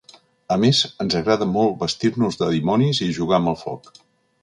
A més, ens agrada molt vestir-nos de dimonis i jugar amb el foc.